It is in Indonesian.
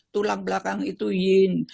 tulang belakang itu yin